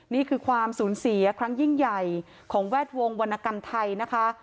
นี่คือความสูญเสียครั้งยิ่งใหญ่ของแวดวงวรรณกรรมไทยนะคะ